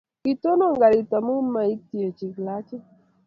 kitonon karit omu maityech klachit